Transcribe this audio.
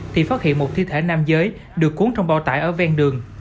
thì phát hiện một thi thể nam giới được cuốn trong bao tải ở ven đường